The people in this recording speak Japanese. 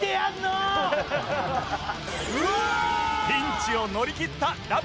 ピンチを乗り切ったラブ！！